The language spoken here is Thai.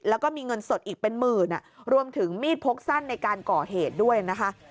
แล้วก็มีเงินสดอีกเป็นหมื่นรวมถึงมีดพกสั้นในการก่อเหตุด้วยนะคะ